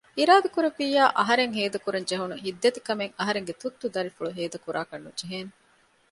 އިރާދަކުރެއްވިއްޔާ އަހަރެން ހޭދަ ކުރަން ޖެހުނު ހިއްތަދިކަމެއް އަހަރެންގެ ތުއްތު ދަރިފުޅު ހޭދަ ކުރާކަށް ނުޖެހޭނެ